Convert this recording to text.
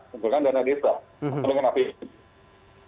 dengan dana desa dengan apb